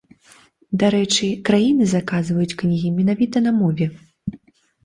Дарэчы, краіны заказваюць кнігі менавіта на мове.